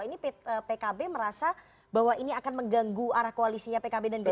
ini pkb merasa bahwa ini akan mengganggu arah koalisinya pkb dan b